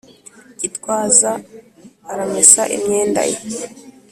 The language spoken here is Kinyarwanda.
gitwaza aramesa imyenda ye